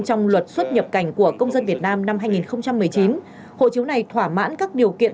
trong luật xuất nhập cảnh của công dân việt nam năm hai nghìn một mươi chín hộ chiếu này thỏa mãn các điều kiện